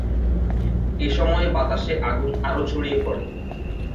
এ সময়ে বাতাসে আগুন আরও ছড়িয়ে পড়ে।